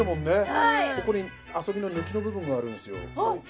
はいここに遊びの抜きの部分があるんですよ